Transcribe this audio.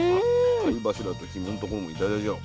貝柱と肝のところも頂いちゃおう。